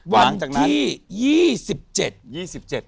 หลังจากนั้นวันที่ยี่สิบเจ็ดยี่สิบเจ็ด